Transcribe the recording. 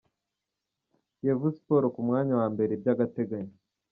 Kiyovu Siporo ku mwanya wa mbere by’agateganyo